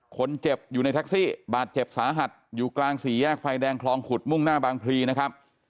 คนเจ็บอยู่ในแท็กซี่บาดเจ็บสาหัสอยู่กลางสี่แยกไฟแดงคลองขุดมุ่งหน้าบางพลีนะครับ